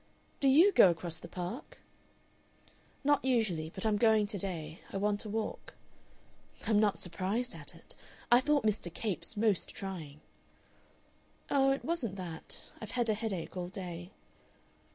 "Do YOU go across the Park?" "Not usually. But I'm going to day. I want a walk." "I'm not surprised at it. I thought Mr. Capes most trying." "Oh, it wasn't that. I've had a headache all day."